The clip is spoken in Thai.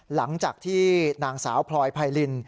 หลังจากที่นางสาวพลอยไพริน